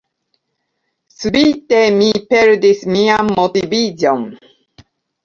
Subite, mi perdis mian motiviĝon.